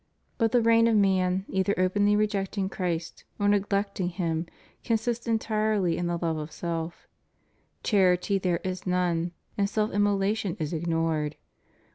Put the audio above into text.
But the reign of man, either openly rejecting Christ or neglecting Him, consists entirely in the love of self ; charity there is none, and self immolation is ignored.